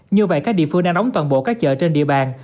như vậy các địa phương đang đóng toàn bộ các chợ trên địa bàn